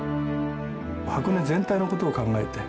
箱根全体のことを考えて。